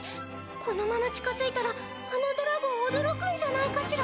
このまま近づいたらあのドラゴンおどろくんじゃないかしら？